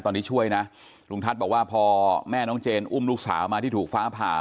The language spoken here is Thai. ตอนนี้ช่วยนะลุงทัศน์บอกว่าพอแม่น้องเจนอุ้มลูกสาวมาที่ถูกฟ้าผ่า